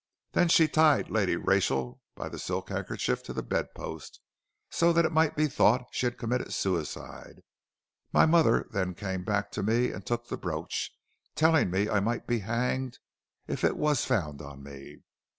Then she tied Lady Rachel by the silk handkerchief to the bedpost, so that it might be thought she had committed suicide. My mother then came back to me and took the brooch, telling me I might be hanged, if it was found on me.